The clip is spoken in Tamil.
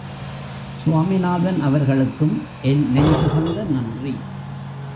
சுவாமிநாதன் அவர்களுக்கும் என் நெஞ்சுகந்த நன்றி.